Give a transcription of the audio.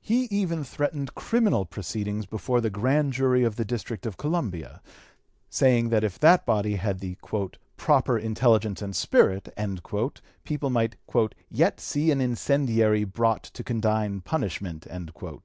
He even threatened criminal proceedings before the grand jury of the District of Columbia, saying that if that body had the "proper intelligence and spirit" people might "yet see an incendiary brought to condign punishment." Mr.